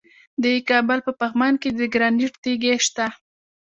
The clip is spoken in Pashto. د کابل په پغمان کې د ګرانیټ تیږې شته.